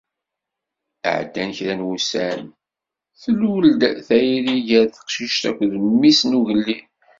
Ɛeddan kra n wussan, tlul-d tayri ger teqcict akked mmi-s n ugellid.